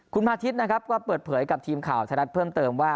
คุณมาทิศนะครับก็เปิดเผยกับทีมข่าวไทยรัฐเพิ่มเติมว่า